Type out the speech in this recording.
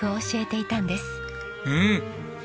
うん。